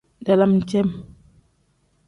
Dalam cem.